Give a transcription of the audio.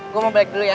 gue mau balik dulu ya